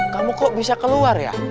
kamu kok bisa keluar ya